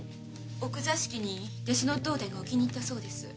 奥座敷に弟子の道伝が置きに行ったそうです。